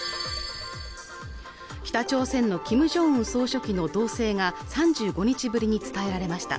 北朝鮮のキム・ジョンウン総書記の動静が３５日ぶりに伝えられました